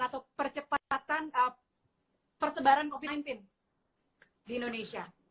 atau percepatan persebaran covid sembilan belas di indonesia